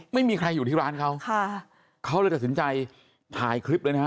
ไม่มีใครอยู่ที่ร้านเขาค่ะเขาเลยตัดสินใจถ่ายคลิปเลยนะฮะ